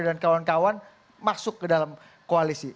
dan kawan kawan masuk ke dalam koalisi